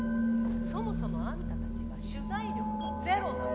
そもそもあんたたちは取材力がゼロなのよ！